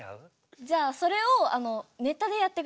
じゃあそれをネタでやってください。